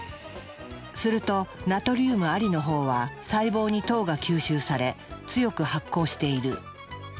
するとナトリウムありの方は細胞に糖が吸収され強く発光している。